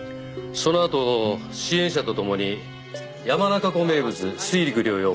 そのあと支援者とともに山中湖名物水陸両用